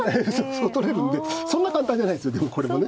そう取れるんでそんな簡単じゃないですよでもこれもね。